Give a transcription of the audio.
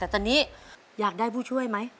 แต่ตอนนี้อยากได้ผู้ช่วยไหม